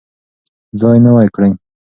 ځان نوی کړئ.